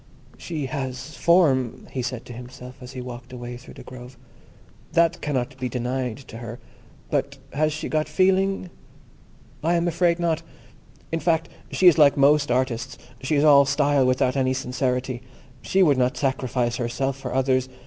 "She has form," he said to himself, as he walked away through the grove—"that cannot be denied to her; but has she got feeling? I am afraid not. In fact, she is like most artists; she is all style, without any sincerity. She would not sacrifice herself for others.